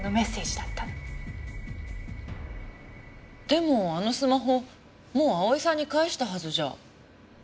でもあのスマホもう蒼さんに返したはずじゃ？